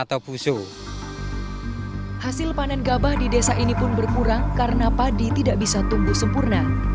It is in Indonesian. hasil panen gabah di desa ini pun berkurang karena padi tidak bisa tumbuh sempurna